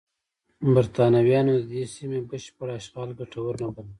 برېټانویانو د دې سیمې بشپړ اشغال ګټور نه باله.